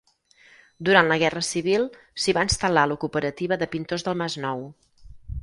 Durant la Guerra Civil s'hi va instal·lar la cooperativa de pintors del Masnou.